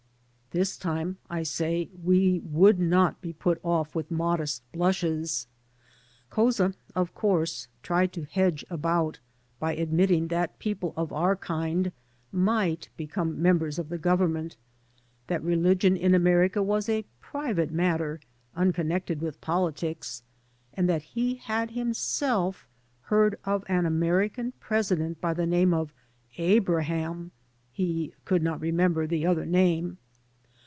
This time, I say, we would not be put off with modest blushes. Couza, of course, tried to hedge about by admitting that people of our kind might become mem bers of the Government, that religion in America was a private matter imconnected with politics, and that he had himself heard of an American President by the name of Abraham (he could not remember his other name).